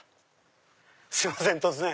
すいません突然。